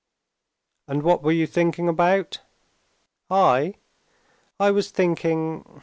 "And what were you thinking about?" "I? I was thinking....